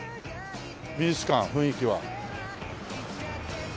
美術館雰囲気は。